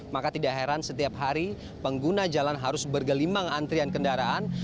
maka tidak heran setiap hari pengguna jalan harus bergelimang antrian kendaraan